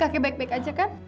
akhirnya baik baik aja kan